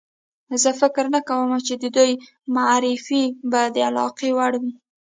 زه فکر نه کوم چې د دوی معرفي به د علاقې وړ وي.